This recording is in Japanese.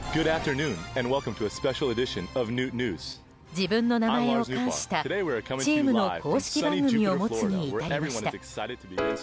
自分の名前を冠したチームの公式番組を持つに至りました。